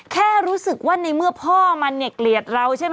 แค่รู้สึกว่าในเมื่อพ่อมันเนี่ยเกลียดเราใช่ไหม